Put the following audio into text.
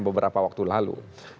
beberapa waktu lalu